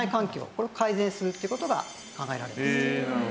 これを改善するっていう事が考えられてます。